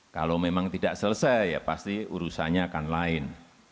kalau memang tidak selesai ya pasti urusannya akan lain